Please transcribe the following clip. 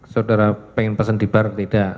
saudara pengen pesan di bar tidak